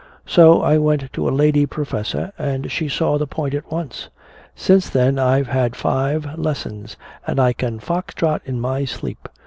"So I went to a lady professor, and she saw the point at once. Since then I've had five lessons, and I can fox trot in my sleep.